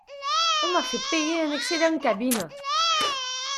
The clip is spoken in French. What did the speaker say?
On m'a fait payer un excédent cabine!